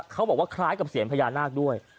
เขาบอกว่าคล้ายกับเสียงพญานาคด้วย